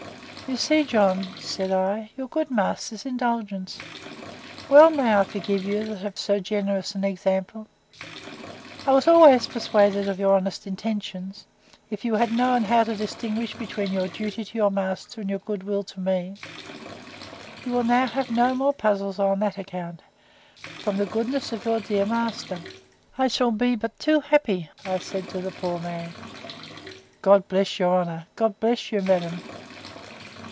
You see, John, said I, your good master's indulgence. Well may I forgive, that have so generous an example. I was always persuaded of your honest intentions, if you had known how to distinguish between your duty to your master, and your good will to me: You will now have no more puzzles on that account, from the goodness of your dear master. I shall be but too happy I said the poor man. God bless your honour! God bless you, madam!